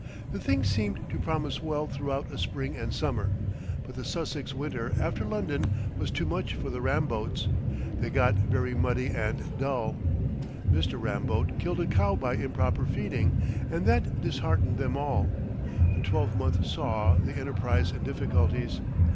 The thing seemed to promise well throughout a spring and summer, but the Sussex winter after London was too much for the Ramboats. They got very muddy and dull; Mr. Ramboat killed a cow by improper feeding, and that disheartened them all. A twelvemonth saw the enterprise in difficulties.